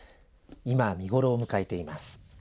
今、見頃を迎えています。